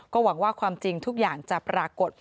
หวังว่าความจริงทุกอย่างจะปรากฏ